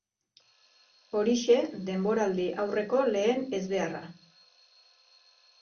Horixe denboraldi aurreko lehen ezbeharra.